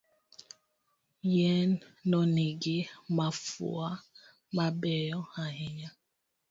Yien no nigi mafua mabeyo ahinya.